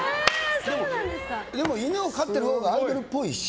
でも犬を飼ってるほうがアイドルっぽいし